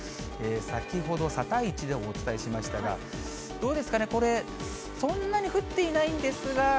先ほど、サタイチでお伝えしましたが、どうですかね、これ、そんなに降っていないんですが。